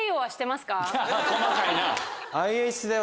細かいな。